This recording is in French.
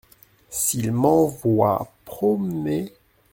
S’il m’envoie promener !